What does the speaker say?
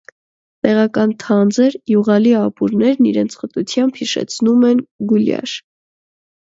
Տեղական թանձր, յուղալի ապուրներն իրենց խտությամբ հիշեցնում են գուլյաշ։